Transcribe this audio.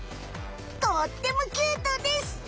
とってもキュートです！